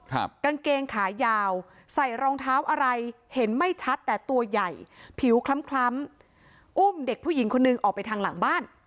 กางเกงขายาวใส่รองเท้าอะไรเห็นไม่ชัดแต่ตัวใหญ่ผิวคล้ำคล้ำอุ้มเด็กผู้หญิงคนนึงออกไปทางหลังบ้าน